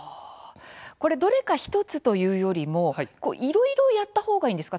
これどれか１つというよりもいろいろやった方がいいんですか？